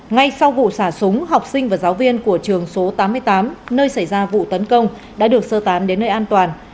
ngay sau vụ xả súng học sinh và giáo viên của trường số tám mươi tám nơi xảy ra vụ tấn công đã được sơ tán đến nơi an toàn